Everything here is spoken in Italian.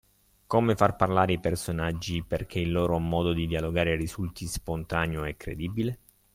Come far parlare i personaggi perché il loro modo di dialogare risulti spontaneo e credibile?